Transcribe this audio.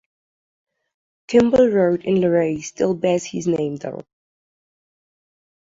Kimball Road in Luray still bears his name though.